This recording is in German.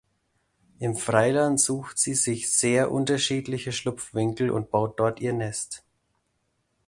Im Freiland sucht sie sich sehr unterschiedliche Schlupfwinkel und baut dort ihr Nest.